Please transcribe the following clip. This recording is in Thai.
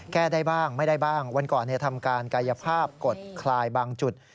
แก้ได้บ้างไม่ได้บ้างวันก่อนทำการกายภาพกดคลายบางจุด